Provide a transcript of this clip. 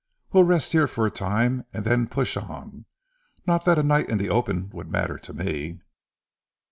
We'll rest here for a time, and then push on. Not that a night in the open would matter to me."